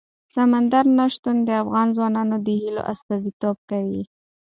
سمندر نه شتون د افغان ځوانانو د هیلو استازیتوب کوي.